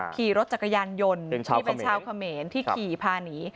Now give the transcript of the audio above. ขี่รถจักรยานยนต์ที่เป็นชาวเขมรที่ขี่พาหนี